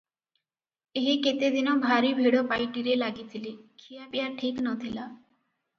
ଏହି କେତେ ଦିନ ଭାରି ଭିଡ଼ ପାଇଟିରେ ଲାଗିଥିଲି, ଖିଆପିଆ ଠିକ୍ ନ ଥିଲା ।